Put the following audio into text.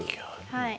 はい。